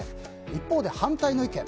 一方で反対の意見。